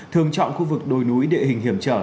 thường chọn khu vực đồi núi địa hình hiểm trở